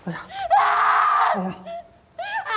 ああ！